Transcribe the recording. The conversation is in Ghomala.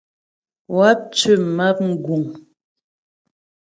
Wáp tʉ́ map mgùŋ.